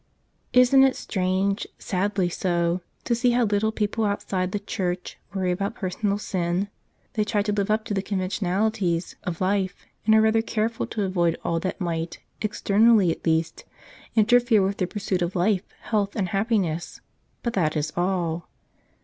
ISN'T it strange, sadly so, to see how little peo¬ ple outside the Church worry about personal sin? They try to live up to the conventional¬ ities of life and are rather careful to avoid all that might, externally at least, interfere with their pursuit of life, health and happiness, but that is all.